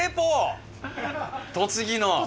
栃木の。